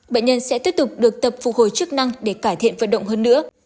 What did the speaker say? bệnh nhân sẽ tiếp tục được tập phục hồi chức năng để cải thiện vận động hơn nữa